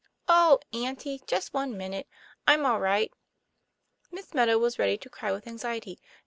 ' Oh, Auntie, just one minute; I'm all right." Miss Meadow was ready to cry with anxiety.